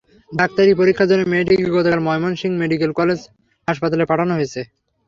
ডাক্তারি পরীক্ষার জন্য মেয়েটিকে গতকাল ময়মনসিংহ মেডিকেল কলেজ হাসপাতালে পাঠানো হয়েছে।